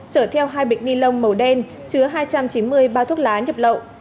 chở theo hai bịch ni lông màu đen chứa hai trăm chín mươi bao thuốc lá nhập lậu